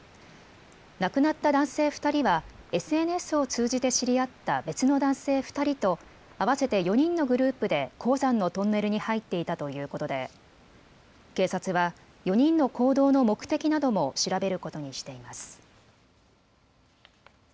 亡くなった男性２人はＳＮＳを通じて知り合った別の男性２人と合わせて４人のグループで鉱山のトンネルに入っていたということで警察は４人の行動の目的なども調べることにしています。